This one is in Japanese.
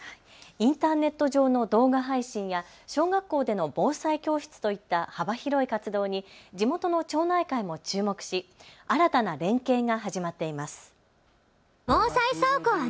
インターネット上の動画配信や小学校での防災教室といった幅広い活動に地元の町内会も注目し新たな連携が始まっています。